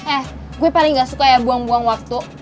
eh gue paling gak suka ya buang buang waktu